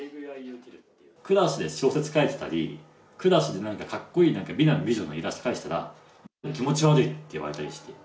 クラスで小説書いてたり、クラスでなんかかっこいい、美男美女のイラスト描いてたら、気持ち悪いって言われたりして。